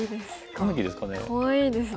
タヌキですかね。